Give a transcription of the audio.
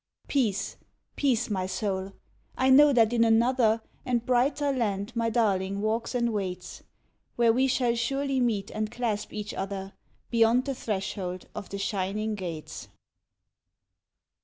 Peace peace, my soul: I know that in another And brighter land my darling walks and waits, Where we shall surely meet and clasp each other, Beyond the threshold of the shining gates.